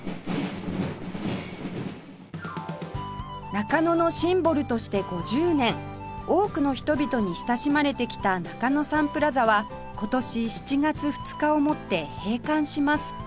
中野のシンボルとして５０年多くの人々に親しまれてきた中野サンプラザは今年７月２日をもって閉館します